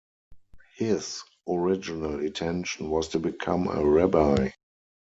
His original intention was to become a rabbi.